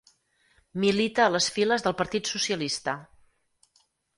Milita a les files del Partit Socialista.